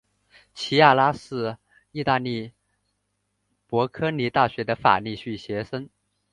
琪亚拉是意大利博科尼大学的法律系学生。